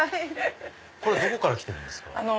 これどこから来てるんですか？